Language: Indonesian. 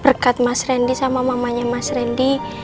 berkat mas randy sama mamanya mas randy